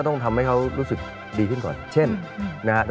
เออแค่เอาหมูปิ้งไปกินในรถ